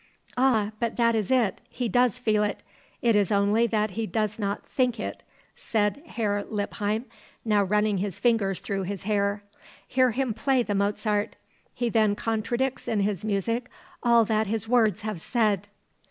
"Ah! but that is it, he does feel it; it is only that he does not think it," said Herr Lippheim, now running his fingers through his hair. "Hear him play the Mozart. He then contradicts in his music all that his words have said."